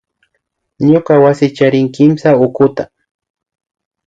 Ñuka wasi charin kimsa tukuta